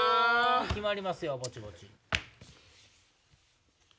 決まりますよぼちぼち。